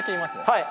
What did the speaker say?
はい。